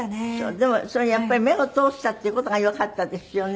でもそれやっぱり目を通したっていう事がよかったですよね。